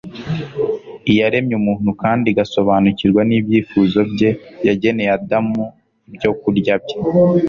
iyaremye umuntu kandi igasobanukirwa n'ibyifuzo bye, yageneye adamu ibyokurya bye